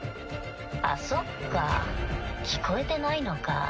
あっそっか聞こえてないのか。